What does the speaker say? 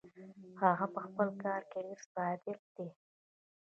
هغه پهخپل کار کې ډېر صادق دی.